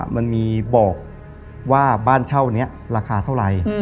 มันมีบอกว่าบ้านเช่านี้ราคาเท่าไหร่